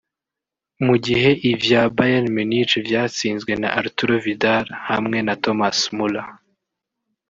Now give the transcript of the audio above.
mu gihe ivya Bayern Munich vyatsinzwe na Arturo Vidal hamwe na Thomas Muller